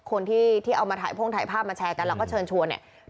คนที่เอามาถ่ายพ่งถ่ายภาพมาแชร์กันแล้วก็เชิญชวนเนี่ย